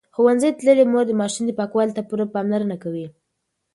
ښوونځې تللې مور د ماشوم پاکوالي ته پوره پاملرنه کوي.